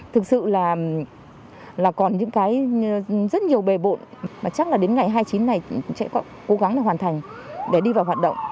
thực sự là còn những cái rất nhiều bề bộ mà chắc là đến ngày hai mươi chín này escritoibròi sẽ cố gắng làm hoàn thành để đi vào hoạt động